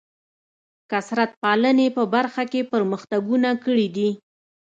کثرت پالنې په برخه کې پرمختګونه کړي دي.